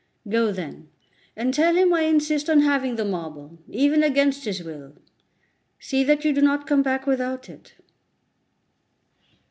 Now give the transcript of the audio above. Go, then, and tell him I insist on having the marble, even against his will: see that you do not come back without it."